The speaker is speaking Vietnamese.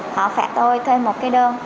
họ phạt tôi thêm một cái đơn